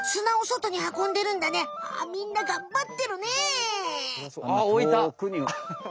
あみんながんばってるね！